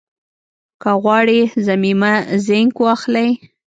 که غواړئ ضمیمه زېنک واخلئ